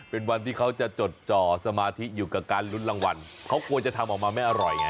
เป็นวันที่เขาจะจดจ่อสมาธิอยู่กับการลุ้นรางวัลเขาควรจะทำออกมาไม่อร่อยไง